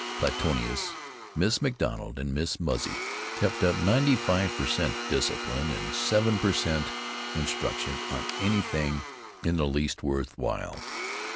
Platonis), Miss McDonald, and Miss Muzzy kept up ninety five per cent. discipline, and seven per cent. instruction in anything in the least worth while.